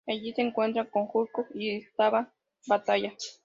Allí se encuentra con Hulk, y entablan batalla.